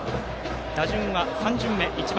打順は３巡目１番